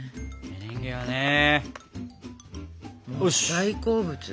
大好物。